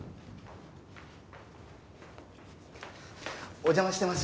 お邪魔してます。